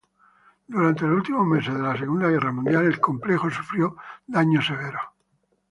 Durante los últimos meses de la Segunda Guerra Mundial, el complejo sufrió daños severos.